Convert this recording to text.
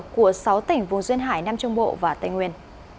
của sáu tỉnh vùng duyên hải nam trung bộ và tây nguyên